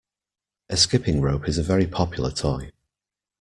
A skipping rope is a very popular toy